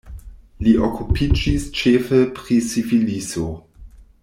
Li okupiĝis ĉefe pri sifiliso.